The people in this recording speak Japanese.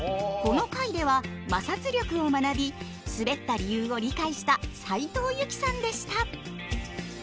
この回では摩擦力を学び滑った理由を理解した斉藤由貴さんでした。